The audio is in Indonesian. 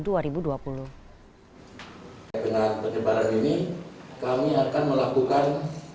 dengan penyebaran ini kami akan melakukan